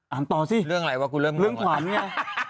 มาต่อซิเรื่องอะไรว่ากูเริ่มฝันเนี่ย